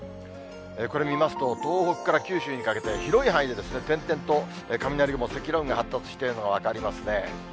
これ見ますと、東北から九州にかけて、広い範囲で点々と雷雲、積乱雲が発達しているのが分かりますね。